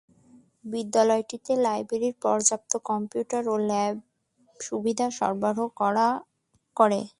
বিদ্যালয়টি লাইব্রেরী, পর্যাপ্ত কম্পিউটার ও ল্যাব সুবিধা সরবরাহ করে।